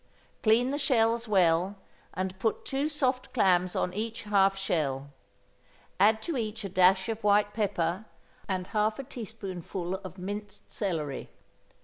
Clean the shells well, and put two soft clams on each half shell; add to each a dash of white pepper and half a teaspoonful of minced celery.